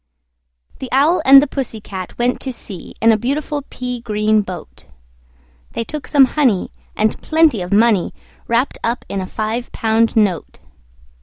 The Owl and the Pussy Cat went to sea In a beautiful pea green boat: They took some honey, and plenty of money Wrapped up in a five pound note.